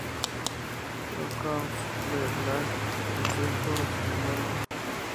Brockhaus Verlag, del sueco al germano.